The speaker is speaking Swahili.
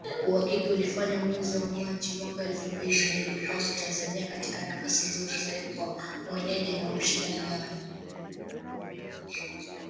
Uhakiki ulifanyika mwezi Machi mwaka elfu mbili na mbili uliiweka Tanzania katika nafasi nzuri zaidi kuwa mwenyeji wa mashindano hayo.